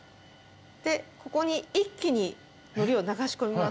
でここに一気に海苔を流し込みます。